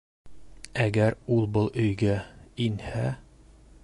Әгәр ул был өйгә... инһә?!